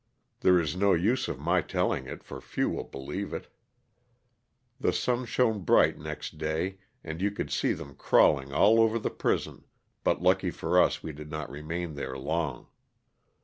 (There is no use of my telling it for few will believe it.) The sun shone bright next day and you could see them crawling all over the prison, but lucky for us we did not remain there long.